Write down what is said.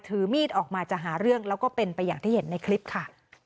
ถือมีดออกมาจะหาเรื่องแล้วก็เป็นไปอย่างที่เห็นในคลิปค่ะ